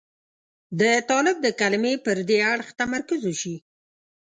د طالب د کلمې پر دې اړخ تمرکز وشي.